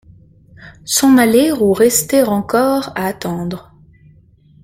S’en aller ou rester encore à attendre ?